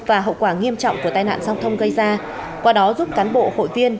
và hậu quả nghiêm trọng của tai nạn giao thông gây ra qua đó giúp cán bộ hội viên